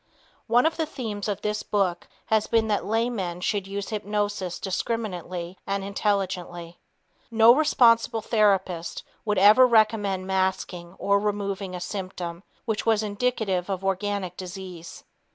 One of the themes of this book has been that laymen should use hypnosis discriminately and intelligently. No responsible therapist would ever recommend masking or removing a symptom which was indicative of organic disease.